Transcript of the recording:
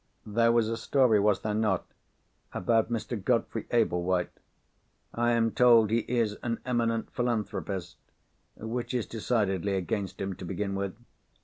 "There was a story (was there not?) about Mr. Godfrey Ablewhite. I am told he is an eminent philanthropist—which is decidedly against him, to begin with."